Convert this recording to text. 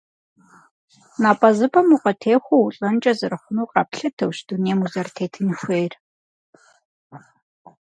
Напӏэзыпӏэм укъытехуэу улӏэнкӏэ зэрыхъунур къэплъытэущ дунейм узэрытетын хуейр.